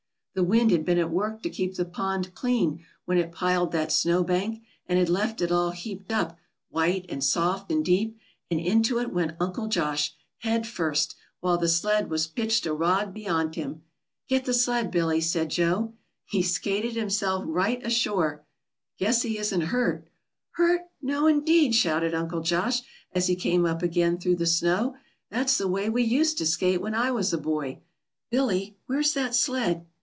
The wind had been at work to keep the pond clean when it piled that snow bank, and had left it all heaped up, white and soft and deep, and into it went Uncle Josh, head first, while the sled was pitched a rod beyond him. "Get the sled, Billy," said Joe. "He skated himself right ashore." "Guess he isn't hurt." [Illustration: "HURT? NO, INDEED!"] "Hurt? No, indeed!" shouted Uncle Josh, as he came up again through the snow. "That's the way we used to skate when I was a boy. Billy, where's that sled?"